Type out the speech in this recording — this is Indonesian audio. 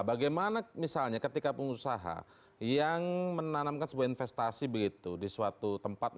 bagaimana misalnya ketika pengusaha yang menanamkan sebuah investasi begitu di suatu tempat